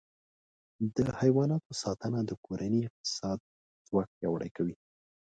د حیواناتو ساتنه د کورنۍ اقتصادي ځواک پیاوړی کوي.